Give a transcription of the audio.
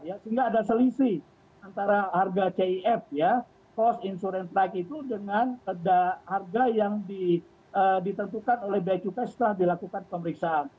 sehingga ada selisih antara harga kif ya cost insurance pride itu dengan harga yang ditentukan oleh bea cukai setelah dilakukan pemeriksaan